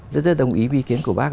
rất rất đồng ý với ý kiến của bác